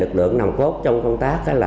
lực lượng nằm cốt trong công tác